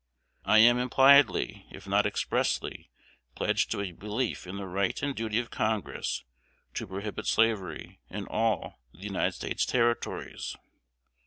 I am impliedly, if not expressly, pledged to a belief in the right and duty of Congress to prohibit slavery in all the United States Territories.